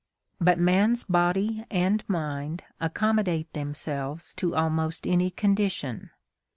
But man's body and mind accommodate themselves to almost any condition.